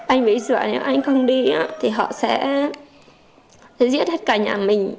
anh bị sửa nếu anh không đi thì họ sẽ giết hết cả nhà mình